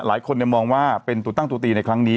หลายคนมองว่าเป็นตัวตั้งตัวตีในครั้งนี้